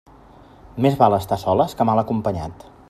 Més val estar a soles que mal acompanyat.